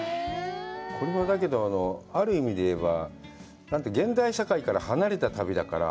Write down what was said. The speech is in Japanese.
これは、だけど、ある意味で言えば、現代社会から離れた旅だから。